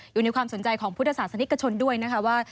อยู่ในความสนใจของพุทธศาสนิกชนด้วยนะคะว่า